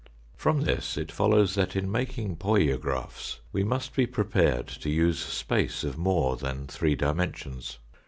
From this it follows that in making poiographs we must be prepared to use space of more than three dimen sions.